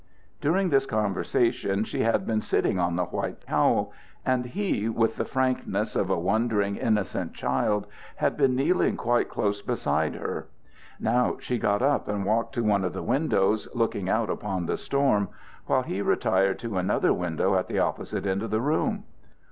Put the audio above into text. During this conversation she had been sitting on the white cowl, and he, with the frankness of a wondering, innocent child, had been kneeling quite close beside her. Now she got up and walked to one of the windows, looking out upon the storm, while he retired to another window at the opposite end of the room.